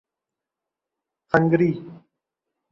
Hungary